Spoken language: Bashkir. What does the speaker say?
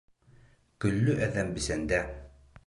Көллө әҙәм бесәндә.